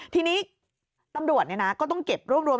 ที่นี่ตำรวจเนี่ยนะก็ต้องเก็บร่วมทางด้วยนะครับ